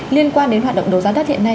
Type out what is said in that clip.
liên quan đến hoạt động đấu giá đất hiện nay